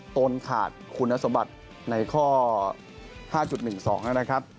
ตนขาดคุณสมบัติในข้อ๕๑๒นะครับ